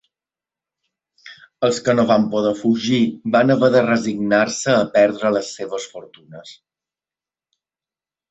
Els que no van poder fugir van haver de resignar-se a perdre les seves fortunes.